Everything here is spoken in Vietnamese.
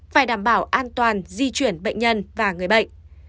phải đảm bảo an toàn di chuyển bệnh nhân và người bệnh